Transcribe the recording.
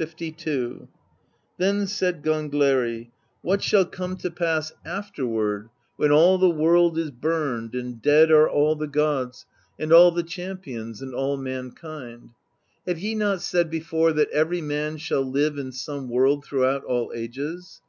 LII. Then said Gangleri: "What shall come to pass 82 PROSE EDDA afterward, when all the world is burned, and dead are all the gods and all the champions and all mankind? Have ye not said before, that every man shall Hve in some world throughout all ages?"